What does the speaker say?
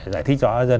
giải thích rõ cho dân